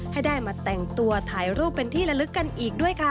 ให้ได้มาแต่งตัวถ่ายรูปเป็นที่ละลึกกันอีกด้วยค่ะ